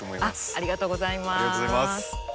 ありがとうございます。